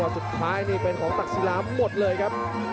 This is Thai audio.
สุดท้ายนี่เป็นของตักศิลาหมดเลยครับ